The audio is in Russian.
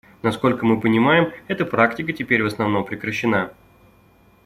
Насколько мы понимает, эта практика теперь в основном прекращена.